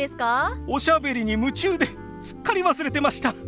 おしゃべりに夢中ですっかり忘れてました。